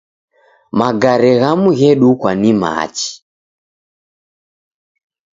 Magare ghamu ghedukwa ni machi.